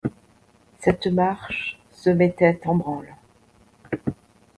Cette marche se mettait en branle.